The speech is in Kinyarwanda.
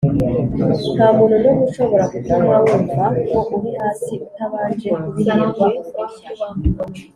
ntamuntu numwe ushobora gutuma wumva ko uri hasi utabanje kubiherwa uruhushya